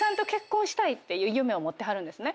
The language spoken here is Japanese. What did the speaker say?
ていう夢を持ってはるんですね。